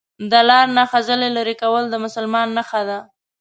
دا لار نه خځلي لري کول د مسلمان نښانه ده